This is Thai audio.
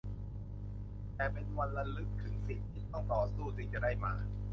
แต่เป็นวันระลึกถึงสิ่งที่ต้องต่อสู้จึงจะได้มา